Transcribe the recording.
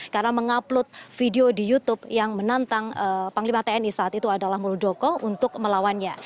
karena mengupload video di youtube yang menantang panglima tni saat itu adalah muldoko untuk melawannya